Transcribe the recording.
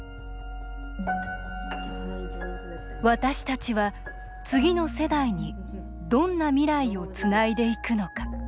私たちは次の世代にどんな未来をつないでいくのか。